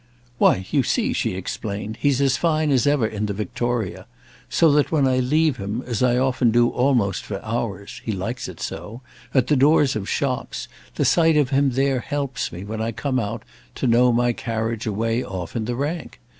"Why you see," she explained, "he's as fine as ever in the victoria; so that when I leave him, as I often do almost for hours—he likes it so—at the doors of shops, the sight of him there helps me, when I come out, to know my carriage away off in the rank.